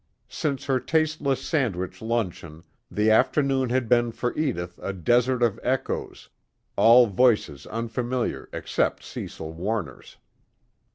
Since her tasteless sandwich luncheon, the afternoon had been for Edith a desert of echoes, all voices unfamiliar except Cecil Warner's.